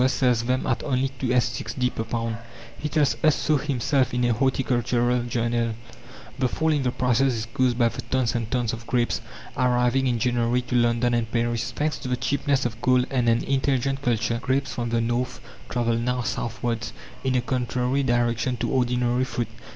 To day the same grower sells them at only 2s. 6d. per pound. He tells us so himself in a horticultural journal. The fall in the prices is caused by the tons and tons of grapes arriving in January to London and Paris. Thanks to the cheapness of coal and an intelligent culture, grapes from the north travel now southwards, in a contrary direction to ordinary fruit.